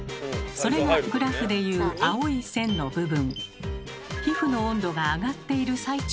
それがグラフでいうと赤い線の部分。